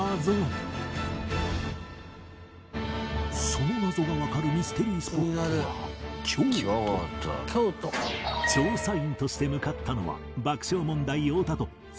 その謎がわかるミステリースポットは調査員として向かったのは爆笑問題太田と露の団姫